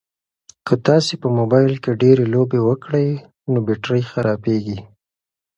که تاسي په موبایل کې ډېرې لوبې وکړئ نو بېټرۍ خرابیږي.